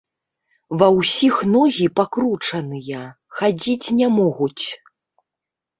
Ва ўсіх ногі пакручаныя, хадзіць не могуць.